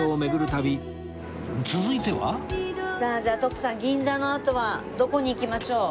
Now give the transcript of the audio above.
続いてはさあじゃあ徳さん銀座のあとはどこに行きましょう？